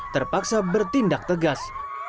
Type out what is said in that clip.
terpaksa bertindak tegas